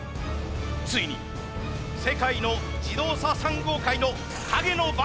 ついに世界の自動車産業界の陰の番長登場。